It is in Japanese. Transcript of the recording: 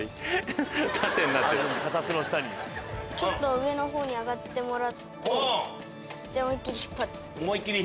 上の方に上がってもらって思いっ切り引っ張って。